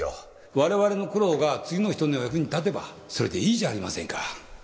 我々の苦労が次の人の役に立てばそれでいいじゃありませんか。